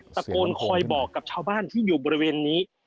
ตะโกนคอยบอกกับชาวบ้านที่อยู่บริเวณนี้